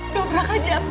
lo berang aja